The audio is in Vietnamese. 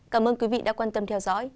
cảm ơn quý vị đã quan tâm theo dõi